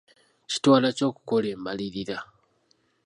Kitwala ki okukola embalirira.